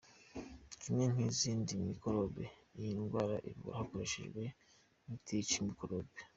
Kimwe nk’izindi mikorobe, iyi ndwara ivurwa hakoreshejwe imiti yica mikorobe.